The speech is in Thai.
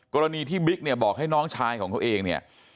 กรณีที่บิ๊กเนี่ยบอกให้น้องชายของเขาเองเนี่ย